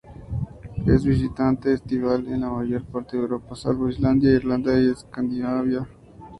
Es visitante estival en la mayor parte de Europa, salvo Islandia, Irlanda y Escandinavia.